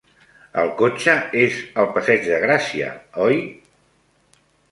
El cotxe és al Passeig de Gràcia, oi?